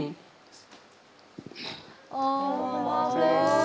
อ๋อบอกแล้ว